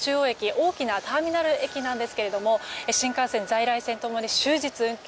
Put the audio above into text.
大きなターミナル駅ですけれども新幹線、在来線共に終日運休。